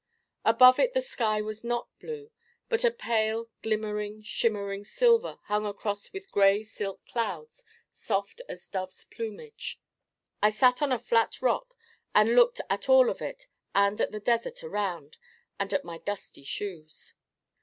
Above it the sky was not blue but a pale glimmering shimmering silver hung across with gray silk clouds soft as doves' plumage. I sat on a flat rock and looked at all of it and at the desert around, and at my dusty shoes.